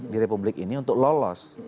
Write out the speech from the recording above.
di republik ini untuk lolos